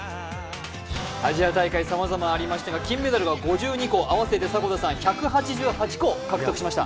アジア大会さまざまありましたが、金メダルが５２個、合わせて１８７個獲得しました。